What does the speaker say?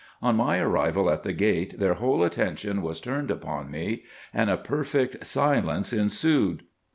On my arrival at the gate their whole attention was turned upon me, and a perfect silence ensued.